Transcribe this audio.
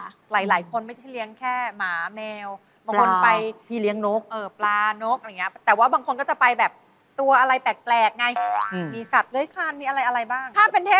สรรในเทพนิยายอยากเลี้ยงอะไรบ้าง